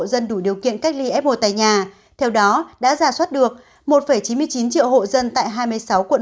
dân đủ điều kiện cách ly f một tại nhà theo đó đã giả soát được một chín mươi chín triệu hộ dân tại hai mươi sáu quận